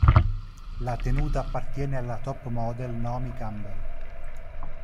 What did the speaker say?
La tenuta appartiene alla top model Naomi Campbell.